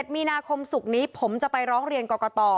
มีนาคมศุกร์นี้ผมจะไปร้องเรียนกรกต